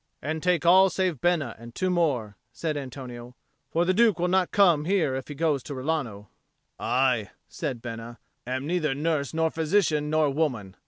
"And take all save Bena and two more," said Antonio. "For the Duke will not come here if he goes to Rilano." "I," said Bena, "am neither nurse nor physician nor woman.